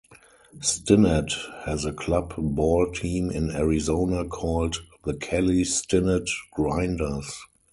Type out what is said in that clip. Stinnett has a club ball team in Arizona called "The Kelly Stinnett Grinders".